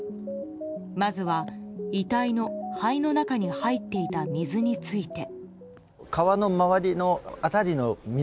まずは遺体の肺の中に入っていた水について。